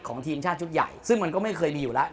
ทีมชาติชุดใหญ่ซึ่งมันก็ไม่เคยมีอยู่แล้ว